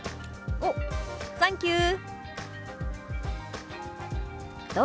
「おサンキュー」。